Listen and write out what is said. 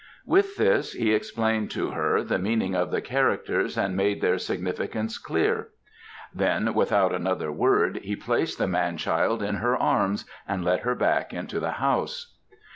With this he explained to her the meaning of the characters and made their significance clear. Then without another word he placed the man child in her arms and led her back into the house.